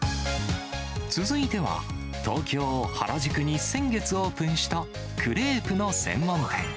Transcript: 続いては、東京・原宿に先月オープンした、クレープの専門店。